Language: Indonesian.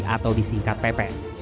atau disingkat pps